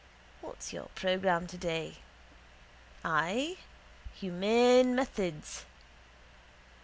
What's your programme today? Ay. Humane methods.